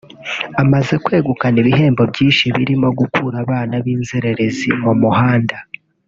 Amaze kwegukana ibihembo byinshi birimo gukura abana b’inzererezi mu muhanda